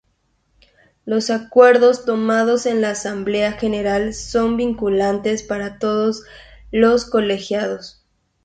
Los Acuerdos tomados en la Asamblea General son vinculantes para todos los colegiados.